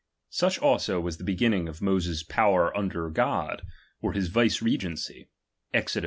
Such also was the beginning of Moses's power under God, or his vicegerency, {Exod.